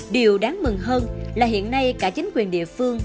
điều đáng mừng hơn là hiện nay cả chính quyền địa phương